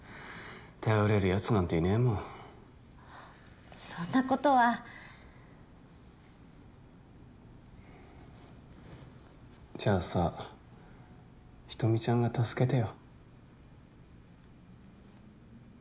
頼れるやつなんていねえもんそんなことはじゃあさ人見ちゃんが助けてよ